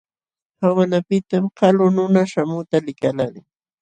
Qawanapiqtam kalu nuna śhamuqta likaqlaalin.